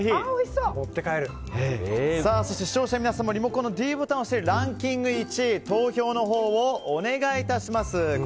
そして視聴者の皆さんもリモコンのｄボタンを押してランキング１位投票をお願いします。